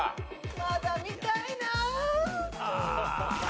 まだ見たいなあ！